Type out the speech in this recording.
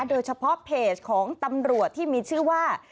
โดยเฉพาะเพจของตำรวจที่มีชื่อว่า